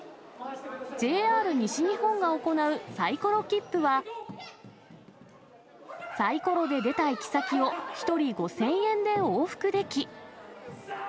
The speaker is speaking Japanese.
ＪＲ西日本が行う、サイコロきっぷは、さいころで出た行き先を１人５０００円で往復でき。